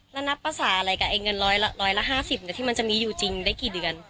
แล้วนับภาษาอะไรกับไอ้เงินร้อยละร้อยละห้าสิบเนี้ยที่มันจะมีอยู่จริงได้กี่เดือน